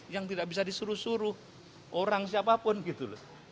yang tidak bisa disuruh suruh orang siapapun gitu loh